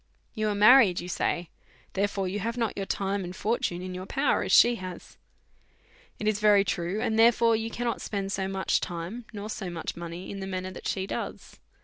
You are married, you say ; therefore you have not your time and fortune in your power as she has. It is very true ; and therefore you cannot spend so much time, nor so much money, in the manner that she does.